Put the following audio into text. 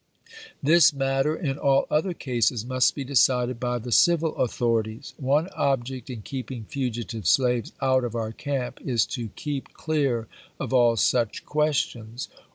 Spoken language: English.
This matter in all other cases must be decided by the civil authorities. One ob ject in keeping fugitive slaves out of our camp is to keep clear of all siich questions.